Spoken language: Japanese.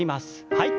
はい。